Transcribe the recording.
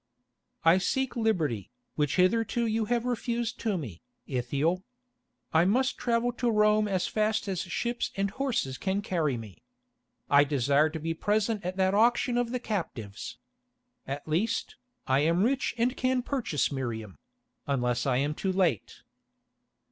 "I seek liberty, which hitherto you have refused to me, Ithiel. I must travel to Rome as fast as ships and horses can carry me. I desire to be present at that auction of the captives. At least, I am rich and can purchase Miriam—unless I am too late."